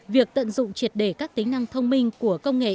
việc tận dụng triệt đề các tính năng thông minh của công nghệ